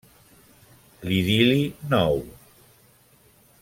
L'idil·li nou.